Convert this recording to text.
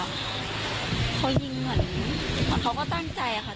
เขายิงเหมือนเขาก็ตั้งใจค่ะ